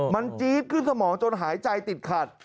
มันจี๊ดขึ้นสมองจนหายใจติดขัด